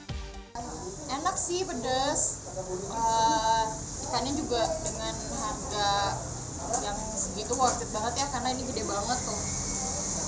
enak sih pedas ikannya juga dengan harga yang segitu worth it banget ya karena ini gede banget tuh